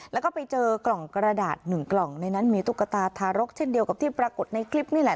แล้วก็ไปเจอกล่องกระดาษหนึ่งกล่องในนั้นมีตุ๊กตาทารกเช่นเดียวกับที่ปรากฏในคลิปนี่แหละ